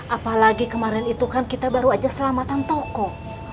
apalagi kemarin itu kan kita baru aja selamat tanpa kok